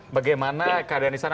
bagaimana keadaan di sana